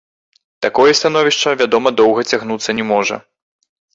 Такое становішча, вядома, доўга цягнуцца не можа.